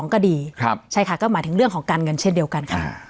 ก็ดีใช่ค่ะก็หมายถึงเรื่องของการเงินเช่นเดียวกันค่ะ